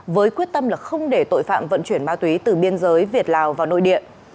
với quyết tâm là không để tội phạm vận chuyển ma túy từ biên giới việt lào vào nội địa